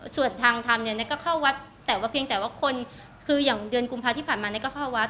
ส่วนทางธรรมเนี่ยก็เข้าวัดแต่ว่าเพียงแต่ว่าคนคืออย่างเดือนกุมภาที่ผ่านมาก็เข้าวัด